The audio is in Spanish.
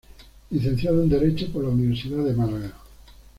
Licenciado en Derecho por la Universidad de Málaga.